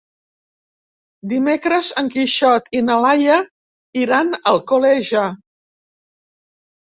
Dimecres en Quixot i na Laia iran a Alcoleja.